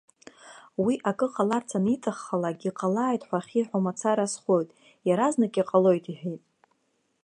Уи акы ҟаларц аниҭаххалак: Иҟалааит!- ҳәа ахьиҳәо мацара азхоит, иаразнак иҟалоит,- иҳәеит.